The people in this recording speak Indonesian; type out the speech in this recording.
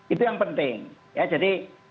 itu yang penting ya jadi